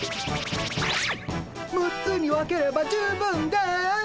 ６つに分ければ十分です。